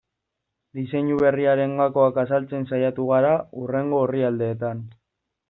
Diseinu berriaren gakoak azaltzen saiatu gara hurrengo orrialdeetan.